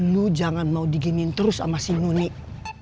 nu jangan mau diginiin terus sama si nunik